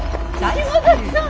島崎さん！